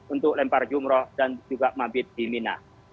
untuk lempar jumroh dan juga mabit di mina